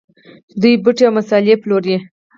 دوی بوټي او مسالې پلوري.